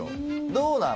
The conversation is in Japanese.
どうなん？